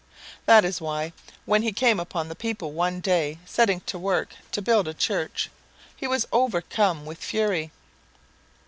That is why, when he came upon the people one day setting to work to build a church, he was overcome with fury.